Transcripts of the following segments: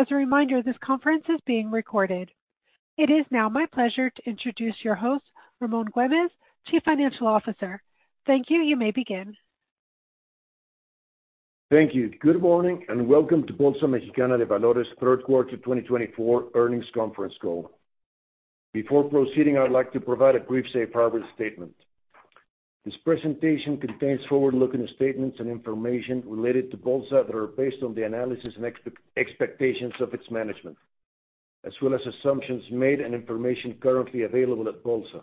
...As a reminder, this conference is being recorded. It is now my pleasure to introduce your host, Ramón Güémez, Chief Financial Officer. Thank you. You may begin. Thank you. Good morning, and welcome to Bolsa Mexicana de Valores' third quarter 2024 earnings conference call. Before proceeding, I'd like to provide a brief safe harbor statement. This presentation contains forward-looking statements and information related to Bolsa that are based on the analysis and expectations of its management, as well as assumptions made and information currently available at Bolsa.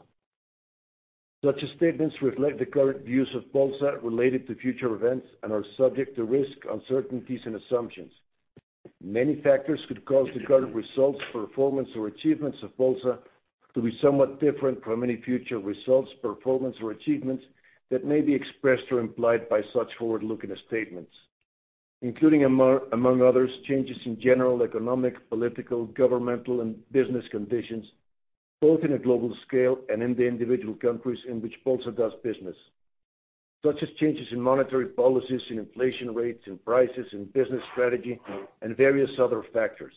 Such statements reflect the current views of Bolsa related to future events and are subject to risks, uncertainties and assumptions. Many factors could cause the current results, performance or achievements of Bolsa to be somewhat different from any future results, performance or achievements that may be expressed or implied by such forward-looking statements, including, among others, changes in general economic, political, governmental, and business conditions, both in a global scale and in the individual countries in which Bolsa does business. Such as changes in monetary policies and inflation rates and prices and business strategy and various other factors.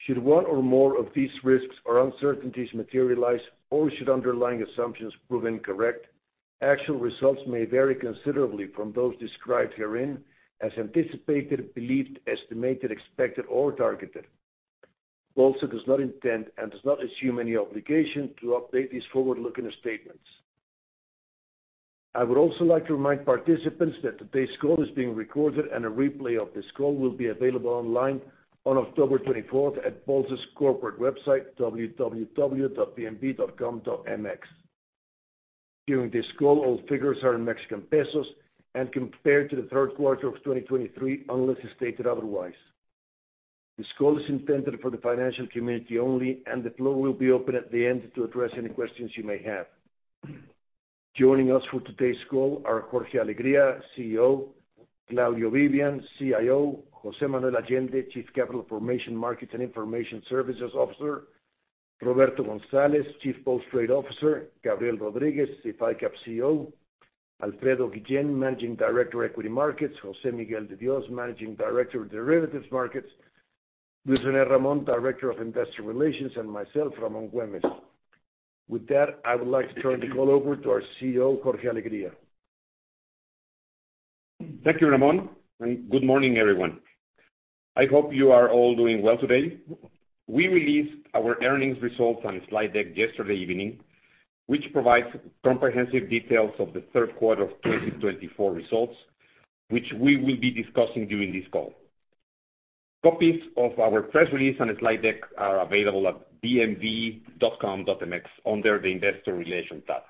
Should one or more of these risks or uncertainties materialize, or should underlying assumptions prove incorrect, actual results may vary considerably from those described herein as anticipated, believed, estimated, expected or targeted. Bolsa does not intend and does not assume any obligation to update these forward-looking statements. I would also like to remind participants that today's call is being recorded and a replay of this call will be available online on October 24th at Bolsa's corporate website, www.bmv.com.mx. During this call, all figures are in Mexican Pesos and compared to the third quarter of 2023, unless stated otherwise. This call is intended for the financial community only, and the floor will be open at the end to address any questions you may have. Joining us for today's call are Jorge Alegría, CEO, Claudio Vivian, CIO, José Manuel Allende, Chief Capital Formation, Markets, and Information Services Officer, Roberto González, Chief Post Trade Officer, Gabriel Rodríguez, SIF Icap CEO, Alfredo Guillén, Managing Director, Equity Markets, José Miguel de Dios, Managing Director, Derivatives Markets, Luis René Ramón, Director of Investor Relations, and myself, Ramón Güémez. With that, I would like to turn the call over to our CEO, Jorge Alegría. Thank you, Ramón, and good morning, everyone. I hope you are all doing well today. We released our earnings results on a slide deck yesterday evening, which provides comprehensive details of the third quarter of 2024 results, which we will be discussing during this call. Copies of our press release and the slide deck are available at bmv.com.mx under the Investor Relations tab.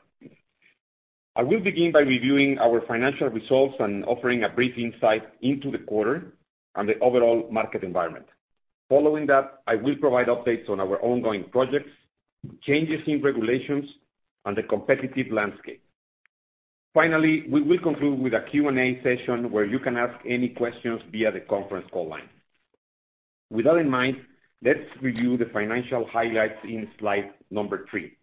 I will begin by reviewing our financial results and offering a brief insight into the quarter and the overall market environment. Following that, I will provide updates on our ongoing projects, changes in regulations and the competitive landscape. Finally, we will conclude with a Q&A session where you can ask any questions via the conference call line. With that in mind, let's review the financial highlights in slide number three.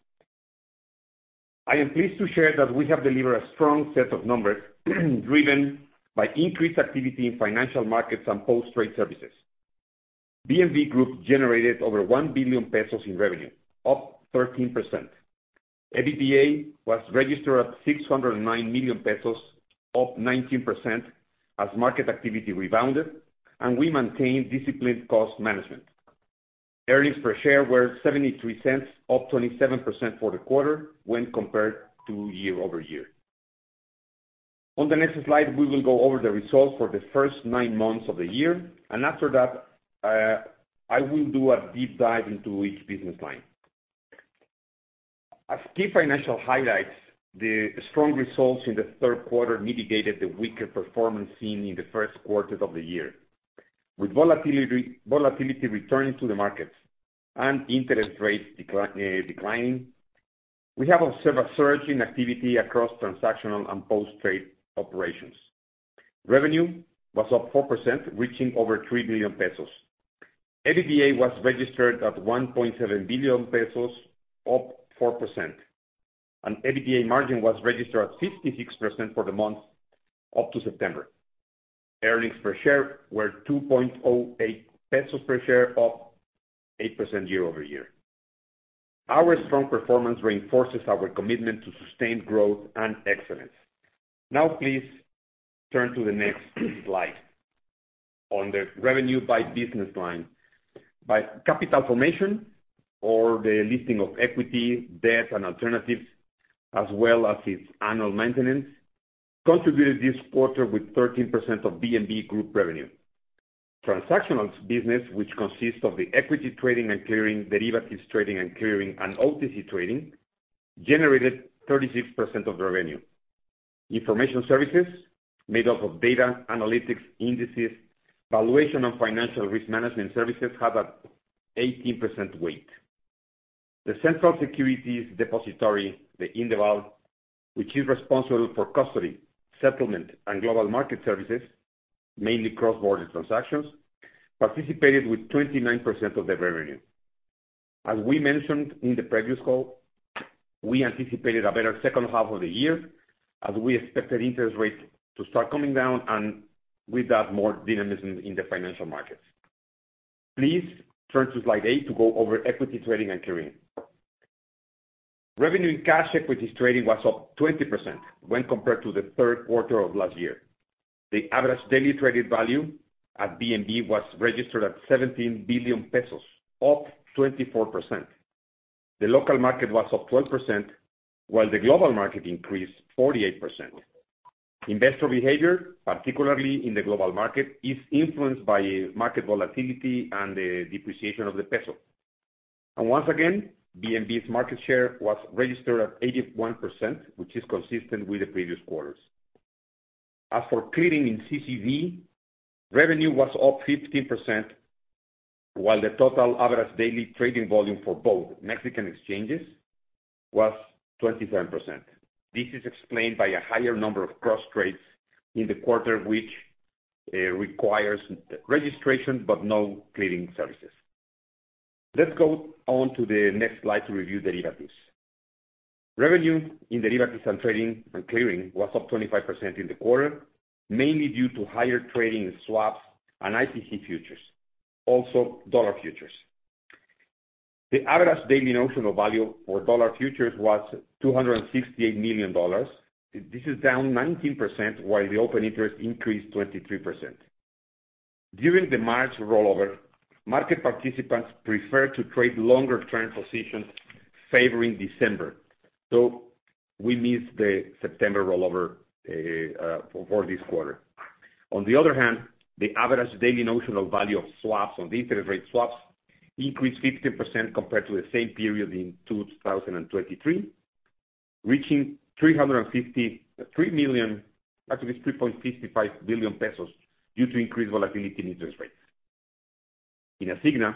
I am pleased to share that we have delivered a strong set of numbers driven by increased activity in financial markets and post-trade services. BMV Group generated over 1 billion pesos in revenue, up 13%. EBITDA was registered at 609 million pesos, up 19% as market activity rebounded and we maintained disciplined cost management. Earnings per share were 0.73, up 27% for the quarter when compared to year-over-year. On the next slide, we will go over the results for the first nine months of the year, and after that, I will do a deep dive into each business line. As key financial highlights, the strong results in the third quarter mitigated the weaker performance seen in the first quarter of the year. With volatility returning to the markets and interest rates declining, we have observed a surge in activity across transactional and post-trade operations. Revenue was up 4%, reaching over 3 billion pesos. EBITDA was registered at 1.7 billion pesos, up 4%, and EBITDA margin was registered at 56% for the month up to September. Earnings per share were 2.08 pesos per share, up 8% year over year. Our strong performance reinforces our commitment to sustained growth and excellence. Now, please turn to the next slide. On the revenue by business line. By capital formation or the listing of equity, debt and alternatives, as well as its annual maintenance, contributed this quarter with 13% of BMV Group revenue. Transactional business, which consists of the equity trading and clearing, derivatives trading and clearing, and OTC trading, generated 36% of the revenue. Information services made up of data, analytics, indices, valuation and financial risk management services have an 18% weight. The Central Securities Depository, the Indeval, which is responsible for custody, settlement, and global market services, mainly cross-border transactions, participated with 29% of the revenue. As we mentioned in the previous call, we anticipated a better second half of the year, as we expected interest rates to start coming down, and with that, more dynamism in the financial markets. Please turn to slide eight to go over equity trading and clearing. Revenue in cash equities trading was up 20% when compared to the third quarter of last year. The average daily traded value at BMV was registered at 17 billion Pesos, up 24%. The local market was up 12%, while the global market increased 48%. Investor behavior, particularly in the global market, is influenced by market volatility and the depreciation of the Peso. Once again, BMV's market share was registered at 81%, which is consistent with the previous quarters. As for clearing in CCV, revenue was up 15%, while the total average daily trading volume for both Mexican exchanges was 27%. This is explained by a higher number of cross trades in the quarter, which requires registration but no clearing services. Let's go on to the next slide to review derivatives. Revenue in derivatives and trading and clearing was up 25% in the quarter, mainly due to higher trading in swaps and IPC futures, also Dollar futures. The average daily notional value for Dollar futures was $268 million. This is down 19%, while the open interest increased 23%. During the March rollover, market participants preferred to trade longer-term positions favoring December, so we missed the September rollover for this quarter. On the other hand, the average daily notional value of swaps on the interest rate swaps increased 15% compared to the same period in 2023, reaching 353 million, actually it's 3.55 billion pesos, due to increased volatility in interest rates. In Asigna,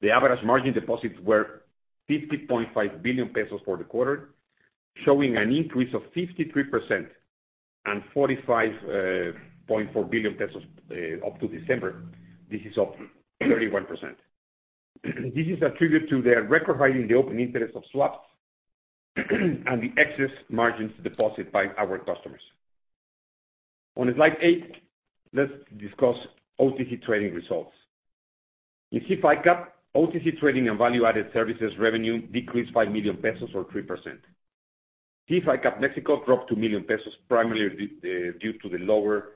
the average margin deposits were 50.5 billion Pesos for the quarter, showing an increase of 53% and 45.4 billion Pesos up to December. This is up 31%. This is attributed to their record high in the open interest of swaps, and the excess margins deposited by our customers. On slide eight, let's discuss OTC trading results. In SIF Icap, OTC trading and value-added services revenue decreased 5 million Pesos, or 3%. SIF Icap Mexico dropped 2 million Pesos, primarily due to the lower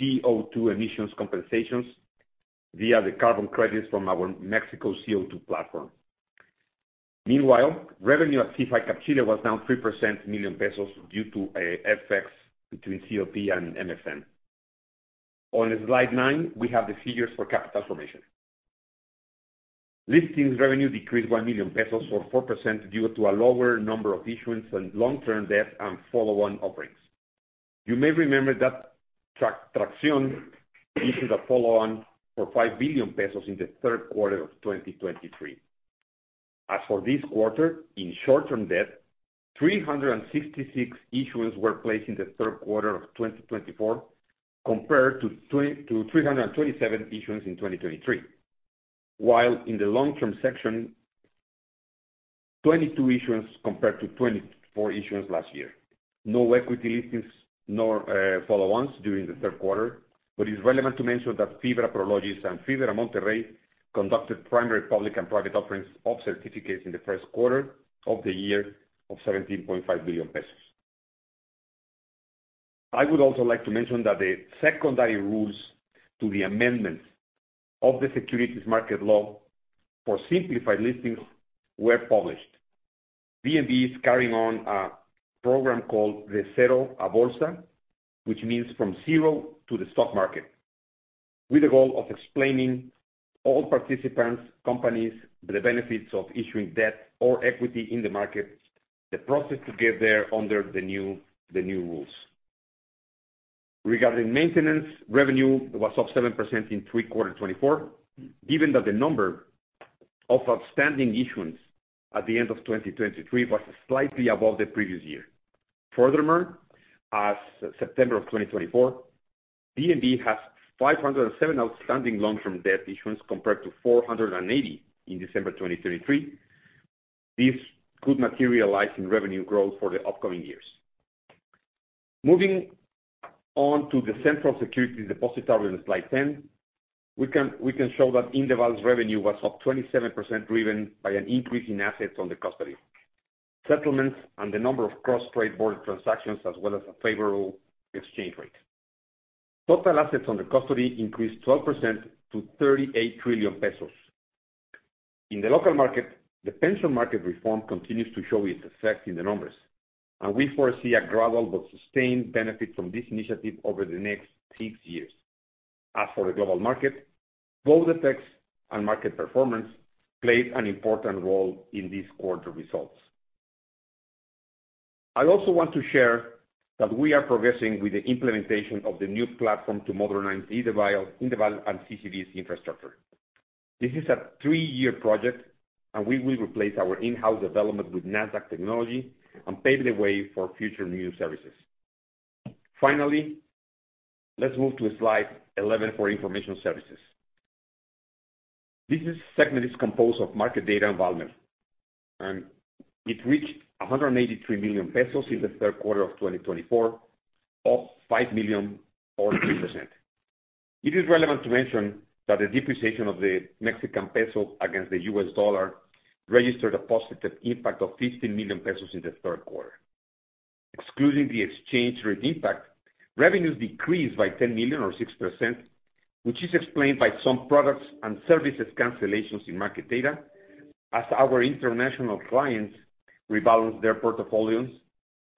CO2 emissions compensations via the carbon credits from our Mexico CO2 platform. Meanwhile, revenue at SIF Icap Chile was down 3 million Pesos due to a FX between COP and MXN. On slide nine, we have the figures for capital formation. Listings revenue decreased 1 million Pesos, or 4%, due to a lower number of issuance and long-term debt and follow-on offerings. You may remember that Traxion issued a follow-on for 5 billion Pesos in the third quarter of 2023. As for this quarter, in short-term debt, 366 issuances were placed in the third quarter of 2024, compared to 327 issuances in 2023. While in the long-term section, 22 issuances compared to 24 issuances last year. No equity listings, nor follow-ons during the third quarter, but it's relevant to mention that Fibra Prologis and Fibra Monterrey conducted primary, public, and private offerings of certificates in the first quarter of the year, of 17.5 billion pesos. I would also like to mention that the secondary rules to the amendments of the securities market law for simplified listings were published. BMV is carrying on a program called the De Cero a Bolsa, which means from zero to the stock market, with the goal of explaining all participants, companies, the benefits of issuing debt or equity in the market, the process to get there under the new, the new rules. Regarding maintenance, revenue was up 7% in third quarter 2024, given that the number of outstanding issuance at the end of 2023 was slightly above the previous year. Furthermore, as of September 2024, BMV has 507 outstanding long-term debt issuance, compared to 480 in December 2023. This could materialize in revenue growth for the upcoming years. Moving on to the Central Securities Depository on slide 10, we can show that Indeval's revenue was up 27%, driven by an increase in assets on the custody, settlements, and the number of cross-border transactions, as well as a favorable exchange rate. Total assets under custody increased 12% to 38 trillion pesos. In the local market, the pension market reform continues to show its effect in the numbers, and we foresee a gradual but sustained benefit from this initiative over the next six years. As for the global market, both effects and market performance played an important role in this quarter's results. I also want to share that we are progressing with the implementation of the new platform to modernize Indeval and CCV's infrastructure. This is a three-year project, and we will replace our in-house development with Nasdaq technology and pave the way for future new services. Finally, let's move to slide 11 for information services. This segment is composed of market data and volume, and it reached 183 million pesos in the third quarter of 2024, up 5 million or 3%. It is relevant to mention that the depreciation of the Mexican Peso against the US Dollar registered a positive impact of 15 million pesos in the third quarter. Excluding the exchange rate impact, revenues decreased by 10 million or 6%, which is explained by some products and services cancellations in market data as our international clients rebalance their portfolios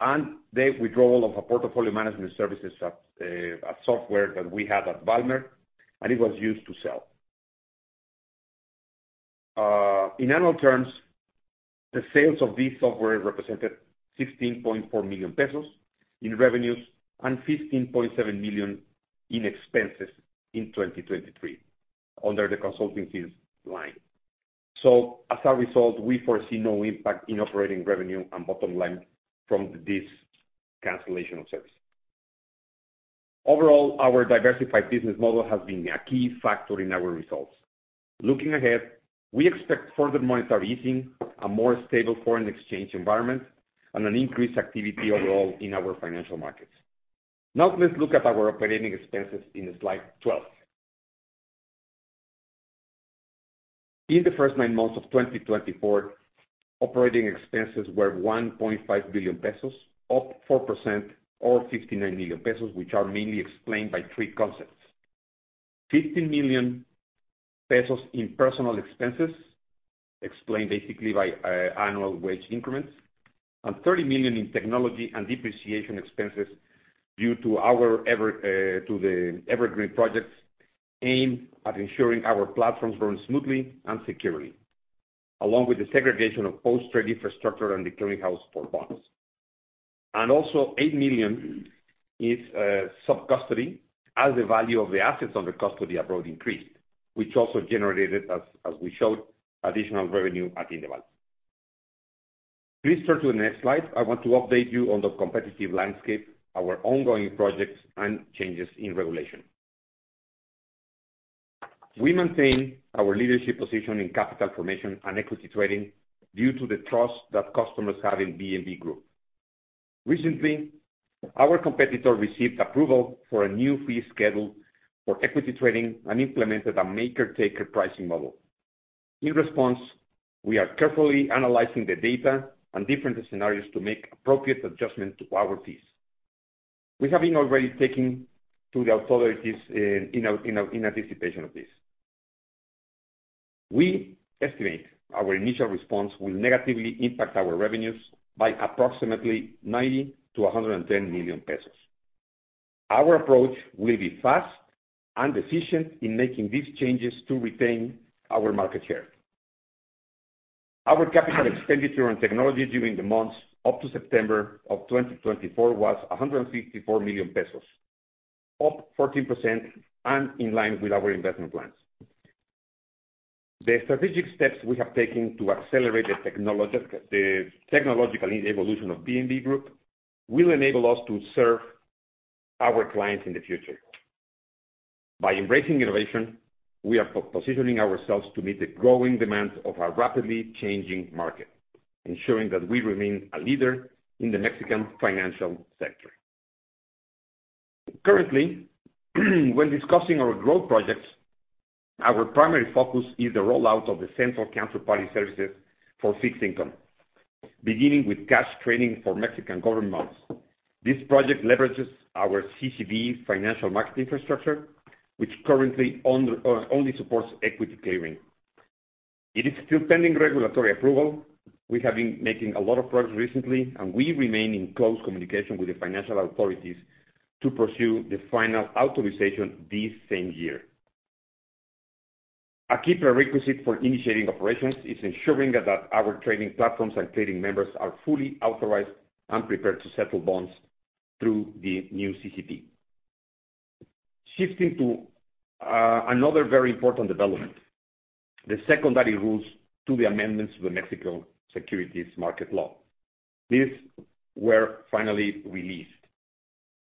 and the withdrawal of a portfolio management services software that we had at Valmer, and it was used to sell. In annual terms, the sales of this software represented 16.4 million pesos in revenues and 15.7 million in expenses in 2023 under the consulting fees line. So as a result, we foresee no impact in operating revenue and bottom line from this cancellation of service. Overall, our diversified business model has been a key factor in our results. Looking ahead, we expect further monetary easing, a more stable foreign exchange environment, and an increased activity overall in our financial markets. Now, let's look at our operating expenses in slide 12. In the first nine months of 2024, operating expenses were 1.5 billion pesos, up 4% or 59 million pesos, which are mainly explained by three concepts. 50 million pesos in personnel expenses, explained basically by annual wage increments, and 30 million in technology and depreciation expenses due to our evergreen projects aimed at ensuring our platforms run smoothly and securely, along with the segregation of post-trade infrastructure and the clearinghouse for bonds. Also, 8 million is sub-custody, as the value of the assets under custody abroad increased, which also generated, as we showed, additional revenue at Indeval. Please turn to the next slide. I want to update you on the competitive landscape, our ongoing projects, and changes in regulation. We maintain our leadership position in capital formation and equity trading due to the trust that customers have in BMV Group. Recently, our competitor received approval for a new fee schedule for equity trading and implemented a maker-taker pricing model. In response, we are carefully analyzing the data and different scenarios to make appropriate adjustment to our fees. We have been already talking to the authorities in anticipation of this. We estimate our initial response will negatively impact our revenues by approximately 90-110 million pesos. Our approach will be fast and efficient in making these changes to retain our market share. Our capital expenditure on technology during the months up to September of 2024 was 154 million pesos, up 14% and in line with our investment plans. The strategic steps we have taken to accelerate the technological evolution of BMV Group will enable us to serve our clients in the future. By embracing innovation, we are positioning ourselves to meet the growing demands of our rapidly changing market, ensuring that we remain a leader in the Mexican financial sector. Currently, when discussing our growth projects, our primary focus is the rollout of the central counterparty services for fixed income, beginning with cash trading for Mexican government bonds. This project leverages our CCP financial market infrastructure, which currently only supports equity clearing. It is still pending regulatory approval. We have been making a lot of progress recently, and we remain in close communication with the financial authorities to pursue the final authorization this same year. A key prerequisite for initiating operations is ensuring that our trading platforms and clearing members are fully authorized and prepared to settle bonds through the new CCP. Shifting to another very important development, the secondary rules to the amendments to the Mexico Securities Market Law. These were finally released.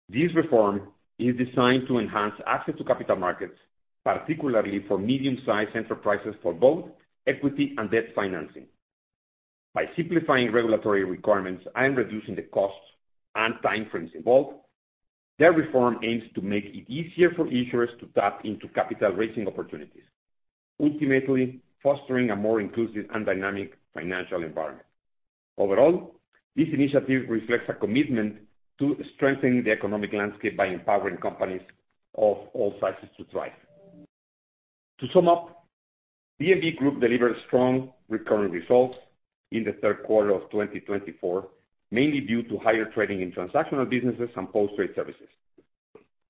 This reform is designed to enhance access to capital markets, particularly for medium-sized enterprises, for both equity and debt financing. By simplifying regulatory requirements and reducing the costs and timeframes involved, the reform aims to make it easier for issuers to tap into capital raising opportunities, ultimately fostering a more inclusive and dynamic financial environment. Overall, this initiative reflects a commitment to strengthening the economic landscape by empowering companies of all sizes to thrive. To sum up, BMV Group delivered strong recurring results in the third quarter of 2024, mainly due to higher trading in transactional businesses and post-trade services.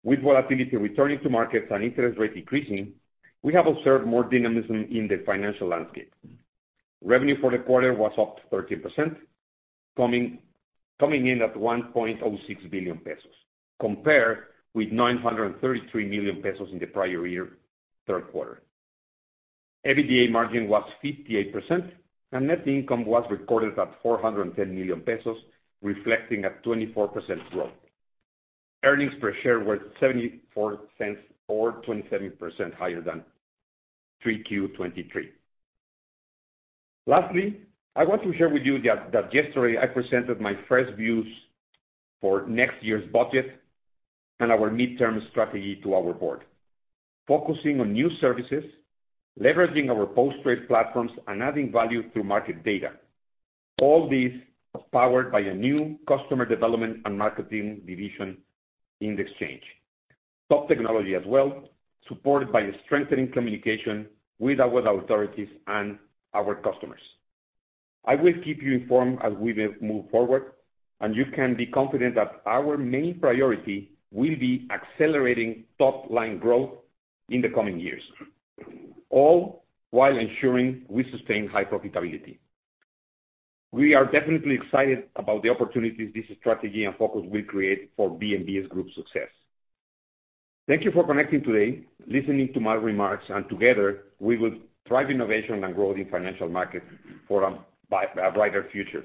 With volatility returning to markets and interest rates decreasing, we have observed more dynamism in the financial landscape. Revenue for the quarter was up 13%, coming in at 1.06 billion pesos, compared with 933 million pesos in the prior year third quarter. EBITDA margin was 58%, and net income was recorded at 410 million pesos, reflecting a 24% growth. Earnings per share were 0.74, or 27% higher than 3Q 2023. Lastly, I want to share with you that yesterday I presented my first views for next year's budget and our midterm strategy to our board. Focusing on new services, leveraging our post-trade platforms, and adding value through market data. All these are powered by a new customer development and marketing division in the exchange. Top technology as well, supported by a strengthening communication with our authorities and our customers. I will keep you informed as we move forward, and you can be confident that our main priority will be accelerating top-line growth in the coming years, all while ensuring we sustain high profitability. We are definitely excited about the opportunities this strategy and focus will create for BMV Group's success. Thank you for connecting today, listening to my remarks, and together, we will drive innovation and growth in financial markets for a brighter future.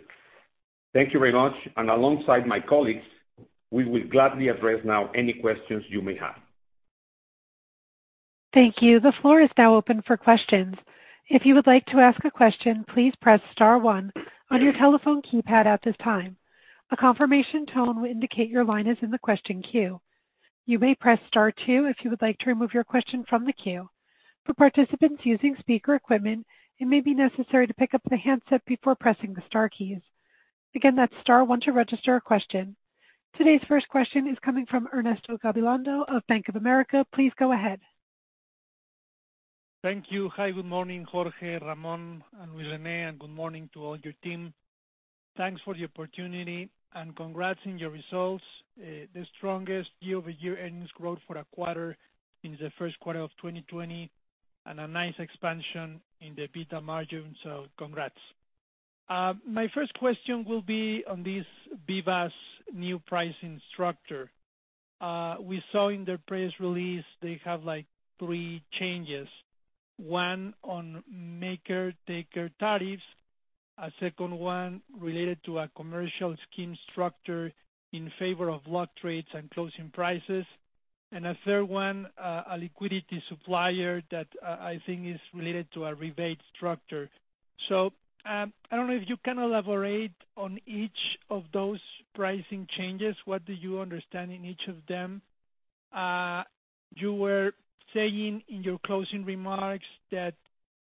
Thank you very much, and alongside my colleagues, we will gladly address now any questions you may have. Thank you. The floor is now open for questions. If you would like to ask a question, please press star one on your telephone keypad at this time. A confirmation tone will indicate your line is in the question queue. You may press star two if you would like to remove your question from the queue. For participants using speaker equipment, it may be necessary to pick up the handset before pressing the star keys. Again, that's star one to register a question. Today's first question is coming from Ernesto Gabilondo of Bank of America. Please go ahead. Thank you. Hi, good morning, Jorge, Ramón, and Luis René, and good morning to all your team. Thanks for the opportunity and congrats on your results. The strongest year-over-year earnings growth for a quarter in the first quarter of 2020, and a nice expansion in the EBITDA margin, so congrats. My first question will be on this BIVA's new pricing structure. We saw in their press release they have, like, three changes. One on maker-taker tariffs, a second one related to a commercial scheme structure in favor of block trades and closing prices, and a third one, a liquidity supplier that, I think is related to a rebate structure. So, I don't know if you can elaborate on each of those pricing changes. What do you understand in each of them? You were saying in your closing remarks that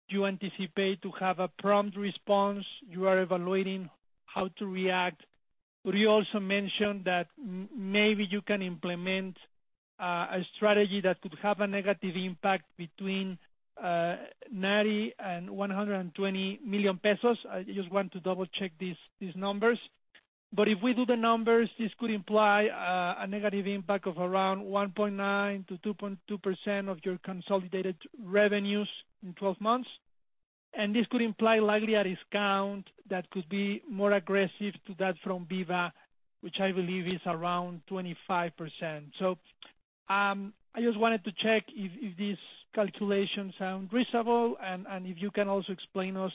you anticipate to have a prompt response. You are evaluating how to react, but you also mentioned that maybe you can implement a strategy that could have a negative impact between 90 million and 120 million pesos. I just want to double-check these, these numbers. But if we do the numbers, this could imply a negative impact of around 1.9%-2.2% of your consolidated revenues in 12 months. And this could imply likely a discount that could be more aggressive to that from BIVA, which I believe is around 25%. So, I just wanted to check if these calculations sound reasonable, and if you can also explain us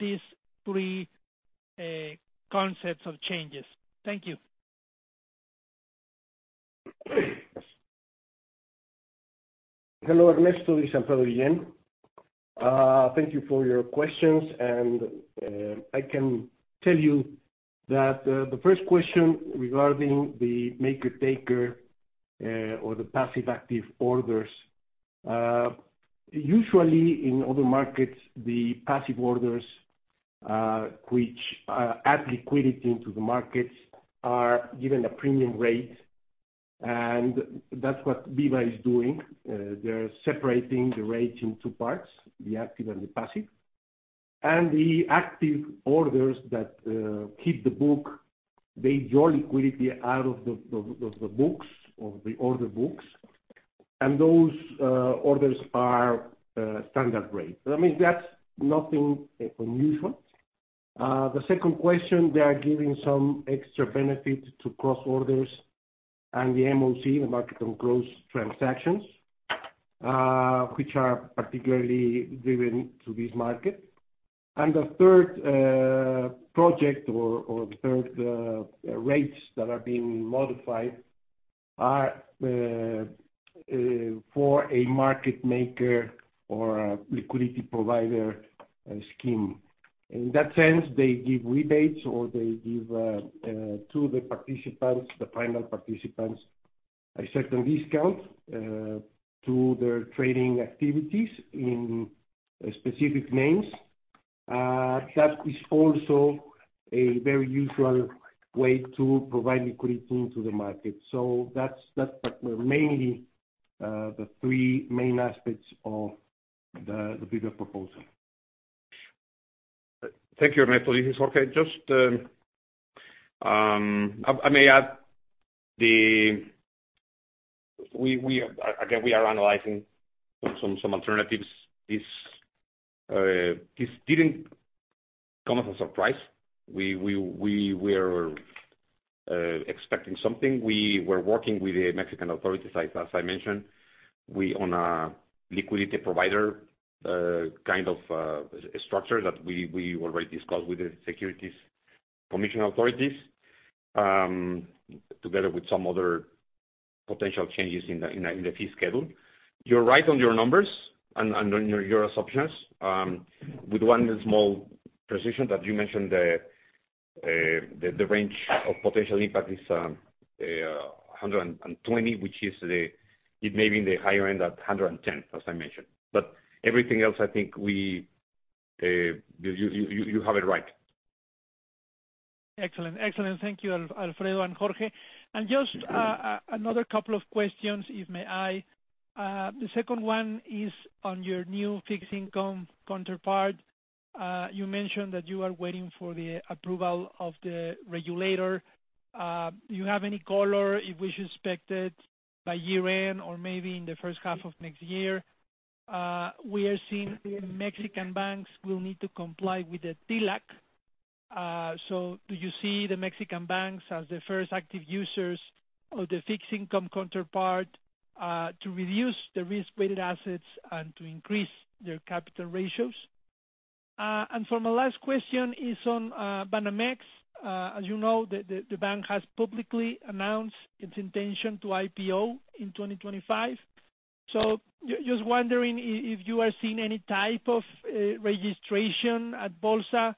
these three concepts of changes. Thank you. Hello, Ernesto, this is [Alfredo Guillen]. Thank you for your questions, and I can tell you that the first question regarding the maker-taker or the passive-active orders. Usually, in other markets, the passive orders, which add liquidity into the markets, are given a premium rate, and that's what BIVA is doing. They're separating the rates in two parts, the active and the passive. And the active orders that keep the book, they draw liquidity out of the books or the order books, and those orders are standard rate. I mean, that's nothing unusual. The second question, they are giving some extra benefit to cross-orders and the MOC, the market-on-close transactions, which are particularly driven to this market. And the third rates that are being modified are for a market maker or a liquidity provider scheme. In that sense, they give rebates or to the participants, the final participants, a certain discount to their trading activities in specific names. That is also a very usual way to provide liquidity into the market. So that's the mainly the three main aspects of the bigger proposal. Thank you, Ernesto. This is Jorge. Just, I may add. We are, again, analyzing some alternatives. This didn't come as a surprise. We're expecting something. We were working with the Mexican authorities, as I mentioned. We own a liquidity provider kind of structure that we already discussed with the securities commission authorities, together with some other potential changes in the fee schedule. You're right on your numbers and on your assumptions. With one small precision that you mentioned, the range of potential impact is 120, which it may be in the higher end at 110, as I mentioned. But everything else, I think you have it right. Excellent. Excellent. Thank you, Alfredo and Jorge. Just another couple of questions, if I may? The second one is on your new fixed income counterparty. You mentioned that you are waiting for the approval of the regulator. Do you have any color if we should expect it by year-end or maybe in the first half of next year? We are seeing Mexican banks will need to comply with the TLAC. So do you see the Mexican banks as the first active users of the fixed income counterparty to reduce the risk-weighted assets and to increase their capital ratios? And for my last question is on Banamex. As you know, the bank has publicly announced its intention to IPO in 2025. Just wondering if you are seeing any type of registration at Bolsa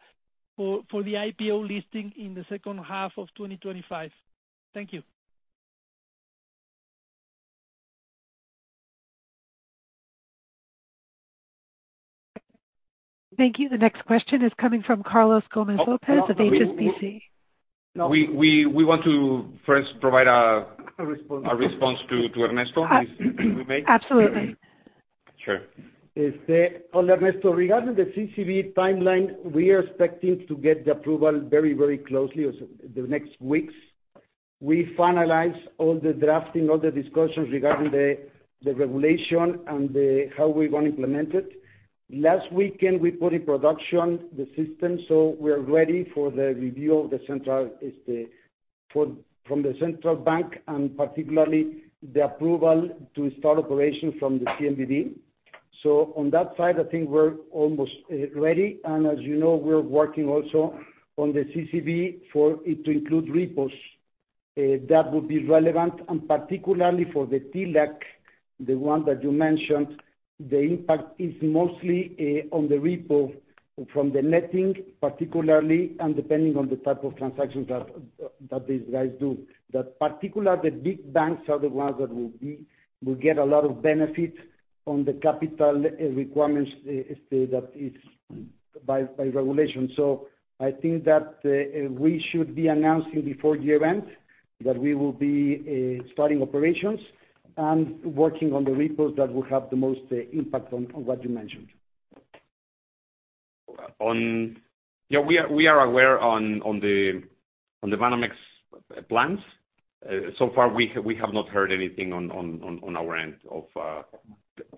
for the IPO listing in the second half of 2025? Thank you. Thank you. The next question is coming from Carlos Gómez López of HSBC. We want to first provide a- A response... a response to Ernesto, if we may. Absolutely. Sure. On Ernesto, regarding the CCV timeline, we are expecting to get the approval very, very closely, in the next weeks. We finalize all the drafting, all the discussions regarding the regulation and how we're going to implement it. Last weekend, we put in production the system, so we are ready for the review from the Central Bank, and particularly the approval to start operation from the CNBV. So on that side, I think we're almost ready. As you know, we're working also on the CCV for it to include repos. That would be relevant, and particularly for the TLAC, the one that you mentioned, the impact is mostly on the repo from the netting, particularly, and depending on the type of transactions that that these guys do. That particular, the big banks are the ones that will be will get a lot of benefit on the capital requirements, that is by regulation. So I think that we should be announcing before year-end, that we will be starting operations and working on the repos that will have the most impact on what you mentioned. Yeah, we are aware on the Banamex plans. So far we have not heard anything on our end of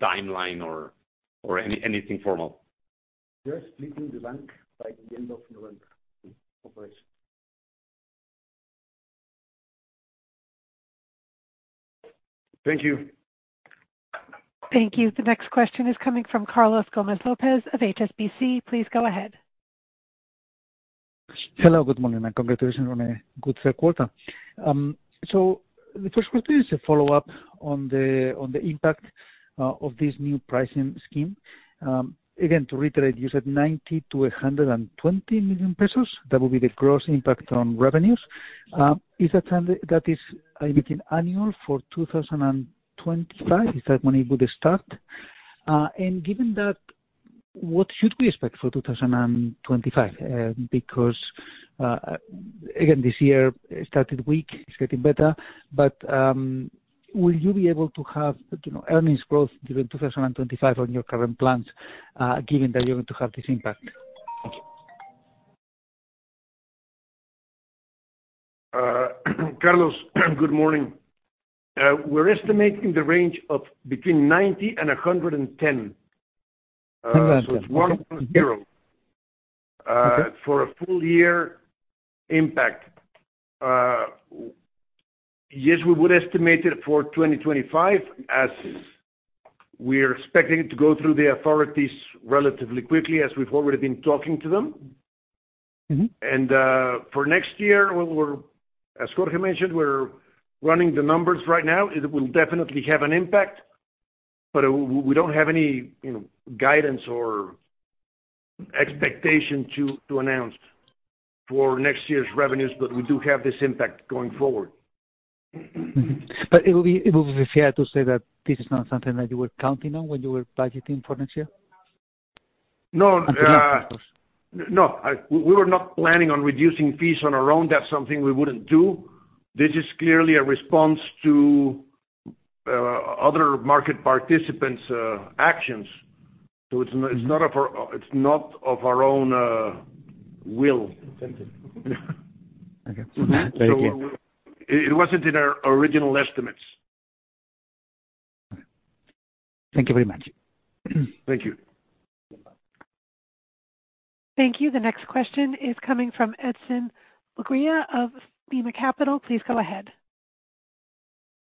timeline or anything formal. Just leaving the bank by the end of November, operation. Thank you. Thank you. The next question is coming from Carlos Gómez López of HSBC. Please go ahead. Hello, good morning, and congratulations on a good third quarter. So the first question is a follow-up on the impact of this new pricing scheme. Again, to reiterate, you said 90 million-120 million pesos, that will be the gross impact on revenues. Is that something that is between annual for 2025? Is that when it would start? And given that, what should we expect for 2025? Because, again, this year started weak, it's getting better, but, will you be able to have, you know, earnings growth during 2025 on your current plans, given that you're going to have this impact? Thank you. Carlos, good morning. We're estimating the range of between 90 and 110. Okay. So it's one zero. Okay. For a full year impact, yes, we would estimate it for 2025, as we are expecting it to go through the authorities relatively quickly, as we've already been talking to them. Mm-hmm. For next year, we're, as Jorge mentioned, we're running the numbers right now. It will definitely have an impact, but we don't have any, you know, guidance or expectation to announce for next year's revenues, but we do have this impact going forward. Mm-hmm. But it will be, it would be fair to say that this is not something that you were counting on when you were budgeting for next year? No, uh- No. No, we were not planning on reducing fees on our own. That's something we wouldn't do. This is clearly a response to other market participants' actions. So it's not of our own will. Okay. Thank you. It wasn't in our original estimates.... Thank you very much. Thank you. Thank you. The next question is coming from Edson Murguía of Summa Capital. Please go ahead.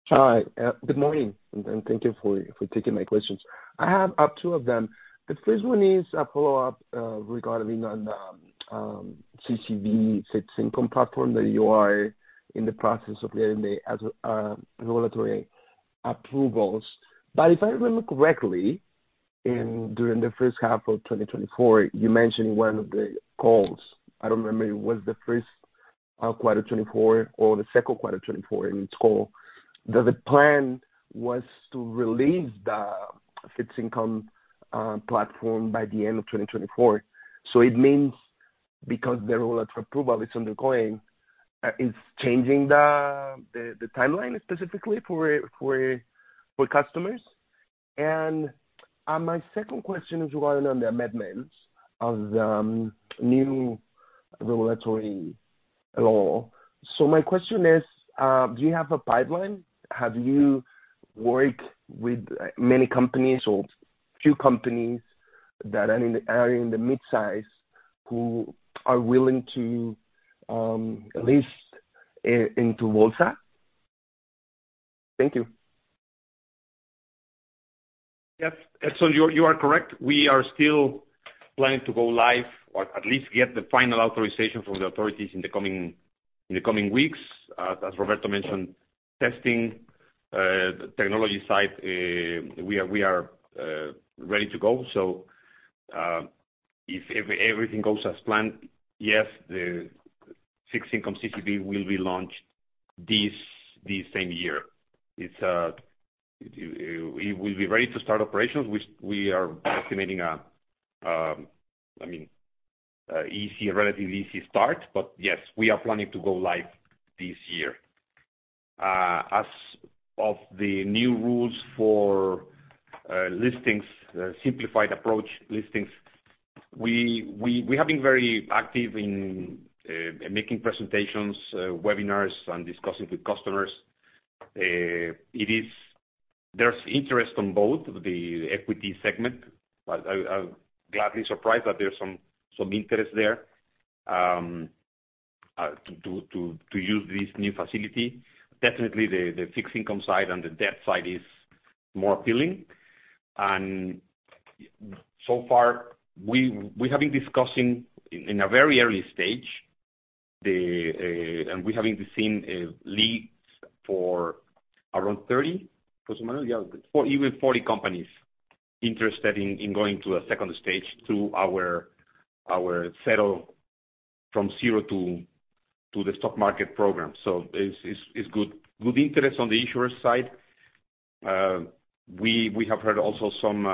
Hi, good morning, and thank you for taking my questions. I have two of them. The first one is a follow-up regarding on the CCV fixed income platform that you are in the process of getting the regulatory approvals. But if I remember correctly, during the first half of 2024, you mentioned in one of the calls, I don't remember, it was the first quarter of 2024 or the second quarter of 2024 in call, that the plan was to release the fixed income platform by the end of 2024. So it means because the regulatory approval is ongoing, it's changing the timeline, specifically for customers? And my second question is regarding on the amendments of the new regulatory law. So my question is, do you have a pipeline? Have you worked with many companies or few companies that are in the midsize who are willing to list into Bolsa? Thank you. Yes, Edson, you are correct. We are still planning to go live, or at least get the final authorization from the authorities in the coming weeks. As Roberto mentioned, testing, technology side, we are ready to go. So, if everything goes as planned, yes, the fixed income CCV will be launched this same year. It's, it will be ready to start operations, which we are estimating a, I mean, easy, a relatively easy start. But yes, we are planning to go live this year. As of the new rules for listings, simplified approach listings, we have been very active in making presentations, webinars, and discussing with customers. It is... There's interest on both the equity segment, but I'm gladly surprised that there's some interest there to use this new facility. Definitely, the fixed income side and the debt side is more appealing, and so far we have been discussing in a very early stage, and we have been seeing leads for around 34, even 40 companies interested in going to a second stage to our De Cero a Bolsa program. So it's good. Good interest on the issuer side. We have heard also some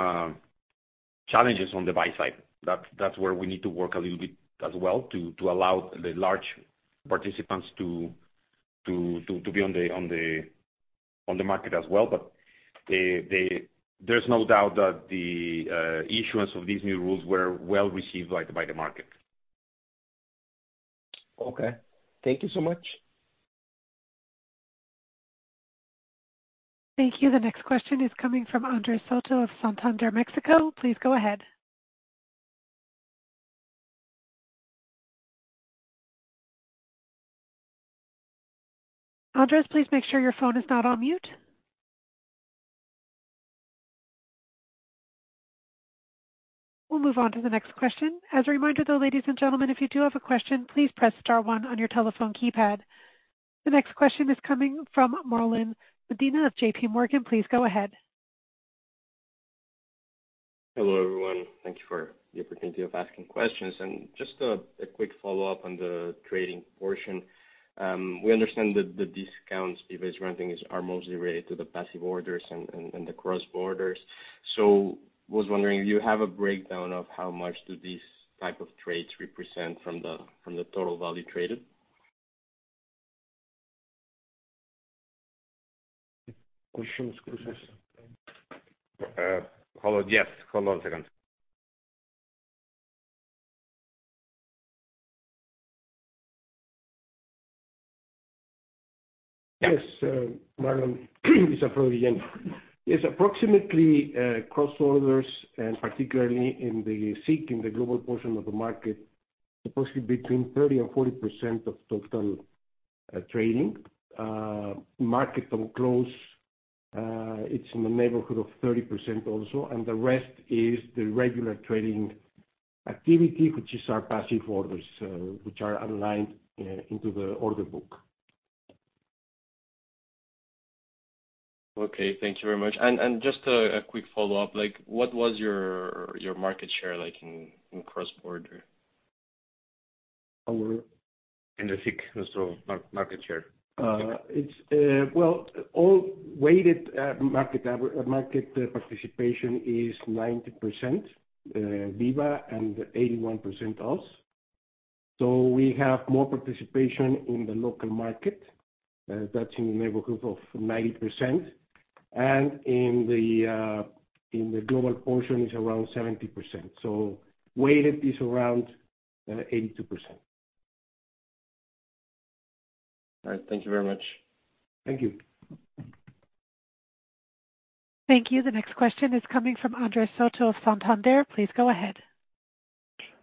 challenges on the buy side. That's where we need to work a little bit as well to allow the large participants to be on the market as well. There's no doubt that the issuance of these new rules were well-received by the market. Okay. Thank you so much. Thank you. The next question is coming from Andrés Soto of Santander Mexico. Please go ahead. Andrés, please make sure your phone is not on mute. We'll move on to the next question. As a reminder, though, ladies and gentlemen, if you do have a question, please press star one on your telephone keypad. The next question is coming from Marlon Medina of JP Morgan. Please go ahead. Hello, everyone. Thank you for the opportunity of asking questions and just a quick follow-up on the trading portion. We understand that the discounts, the servicing rates are mostly related to the passive orders and the cross-border. So was wondering, do you have a breakdown of how much do these type of trades represent from the total value traded? Questions, questions. Hold on. Yes, hold on a second. Yes, Marlon, it's Alfredo again. Yes, approximately, cross-borders, and particularly in the SIC, in the global portion of the market, supposedly between 30% and 40% of total trading. Market-on-Close, it's in the neighborhood of 30% also, and the rest is the regular trading activity, which is our passive orders, which are aligned into the order book. Okay, thank you very much. And just a quick follow-up, like, what was your market share like in cross-border? Our? In the SIC, also, market share. It's well all weighted market participation is 90% BIVA, and 81% else. So we have more participation in the local market, that's in the neighborhood of 90%. And in the global portion, it's around 70%. So weighted is around 82%.... All right. Thank you very much. Thank you. Thank you. The next question is coming from Andrea Soto of Santander. Please go ahead.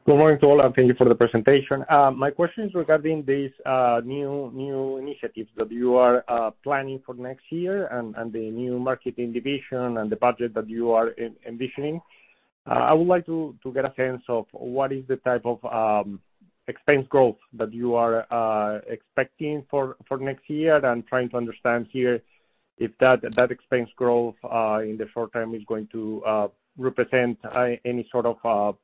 Good morning to all, and thank you for the presentation. My question is regarding this new initiatives that you are planning for next year and the new marketing division and the budget that you are envisioning. I would like to get a sense of what is the type of expense growth that you are expecting for next year. And I'm trying to understand here if that expense growth in the short term is going to represent any sort of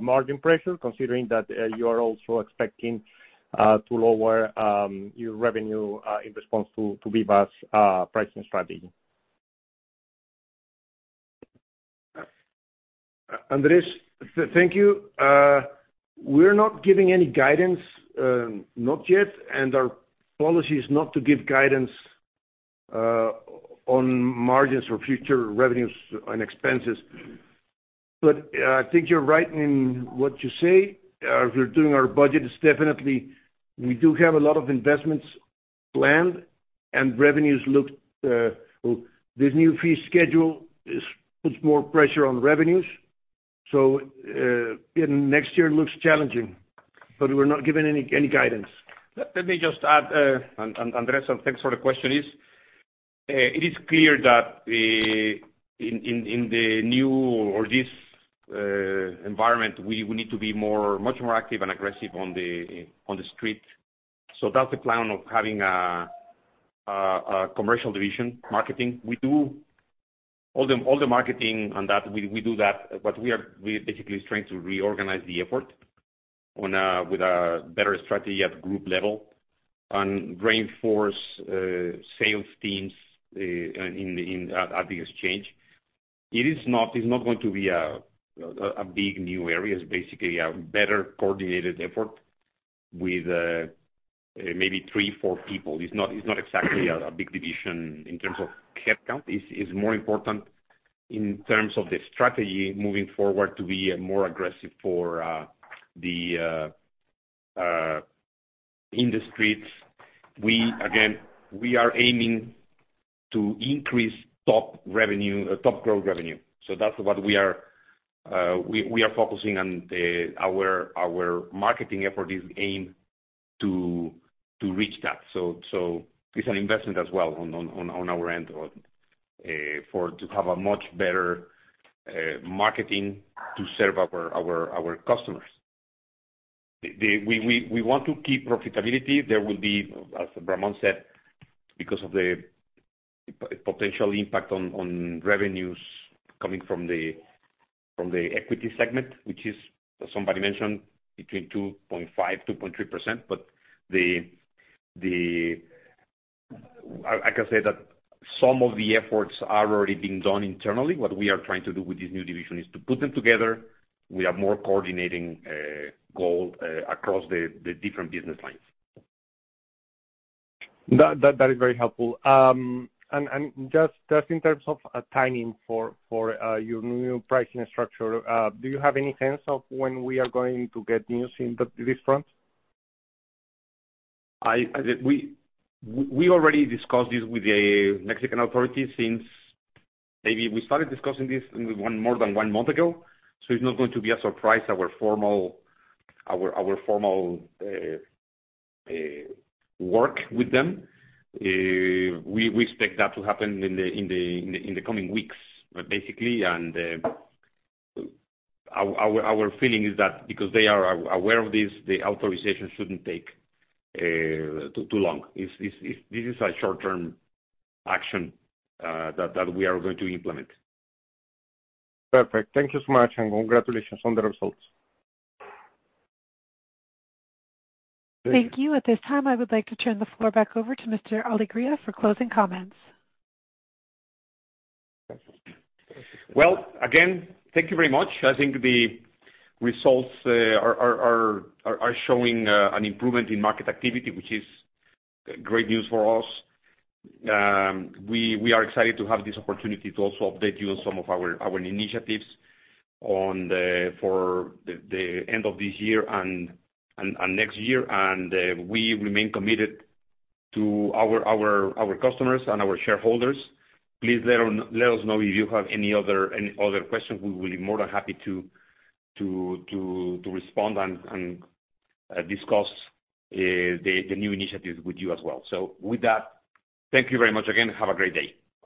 margin pressure, considering that you are also expecting to lower your revenue in response to BIVA's pricing strategy. Andrea, thank you. We're not giving any guidance, not yet, and our policy is not to give guidance on margins or future revenues and expenses. But, I think you're right in what you say. We're doing our budget, it's definitely... We do have a lot of investments planned, and revenues look, this new fee schedule puts more pressure on revenues. Next year looks challenging, but we're not giving any guidance. Let me just add, and Andrea, thanks for the question. It is clear that in the new or this environment, we need to be much more active and aggressive on the street. So that's the plan of having a commercial division, marketing. We do all the marketing on that. We do that, but we are basically trying to reorganize the effort with a better strategy at group level and reinforce sales teams at the exchange. It is not going to be a big new area. It's basically a better coordinated effort with maybe three, four people. It's not exactly a big division in terms of headcount. It's more important in terms of the strategy moving forward to be more aggressive for the in the streets. We again are aiming to increase top revenue, top growth revenue. That's what we are focusing on. Our marketing effort is aimed to reach that. So it's an investment as well on our end for to have a much better marketing to serve our customers. We want to keep profitability. There will be, as Ramón said, because of the potential impact on revenues coming from the equity segment, which is, somebody mentioned, between 2.5 and 2.3%. But like I said, some of the efforts are already being done internally. What we are trying to do with this new division is to put them together. We have more coordinating goal across the different business lines. That is very helpful, and just in terms of timing for your new pricing structure, do you have any sense of when we are going to get news on this front? We already discussed this with the Mexican authorities since maybe we started discussing this one more than one month ago, so it's not going to be a surprise. Our formal work with them, we expect that to happen in the coming weeks, basically. Our feeling is that because they are aware of this, the authorization shouldn't take too long. This is a short-term action that we are going to implement. Perfect. Thank you so much, and congratulations on the results. Thank you. Thank you. At this time, I would like to turn the floor back over to Mr. Alegría for closing comments. Well, again, thank you very much. I think the results are showing an improvement in market activity, which is great news for us. We are excited to have this opportunity to also update you on some of our initiatives for the end of this year and next year. And, we remain committed to our customers and our shareholders. Please let us know if you have any other questions. We will be more than happy to respond and discuss the new initiatives with you as well. So with that, thank you very much again, and have a great day.